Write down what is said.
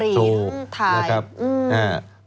ทั้งขี้บุหรี่ถ่าย